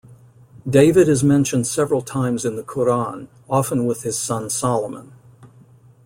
David is mentioned several times in the Quran, often with his son Solomon.